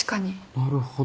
なるほど。